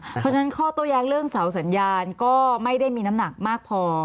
เพราะฉะนั้นข้อโต้แย้งเรื่องเสาสัญญาณก็ไม่ได้มีน้ำหนักมากพอ